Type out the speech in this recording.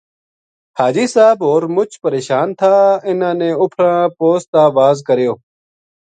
حاجی صاحب ہور مُچ پرشان تھا اِنھاں نے اُپھراں پوسٹ تا واز کریو